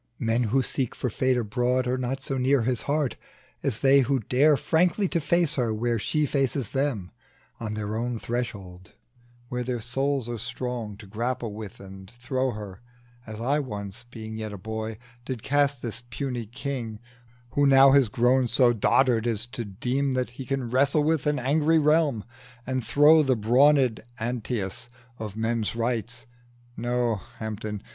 Men who seek for Fate abroad Are not so near his heart as they who dare Frankly to face her where she faces them, On their own threshold, where their souls are strong To grapple with and throw her; as I once, Being yet a boy, did cast this puny king, Who now has grown so dotard as to deem That he can wrestle with an angry realm, And throw the brawned Antæus of men's rights. No, Hampden!